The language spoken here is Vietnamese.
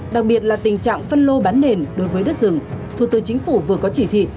đặc biệt là tình trạng phân lô bán nền đối với đất rừng thủ tư chính phủ vừa có chỉ thị